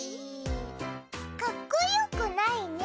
かっこよくないね。